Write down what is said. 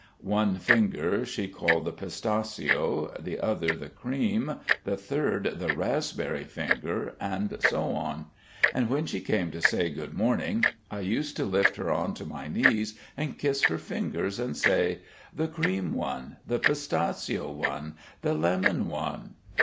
One finger she called the pistachio, the other the cream, the third the raspberry finger and so on. And when she came to say good morning, I used to lift her on to my knees and kiss her fingers, and say: "The cream one, the pistachio one, the lemon one."